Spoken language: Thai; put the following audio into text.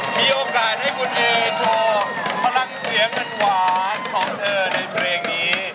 มีโอกาสให้คุณเอโชว์พลังเสียงหวานของเธอในเพลงนี้